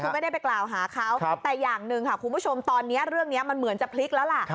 คือไม่ได้ไปกล่าวหาเขาแต่อย่างหนึ่งค่ะคุณผู้ชมตอนนี้เรื่องนี้มันเหมือนจะพลิกแล้วล่ะ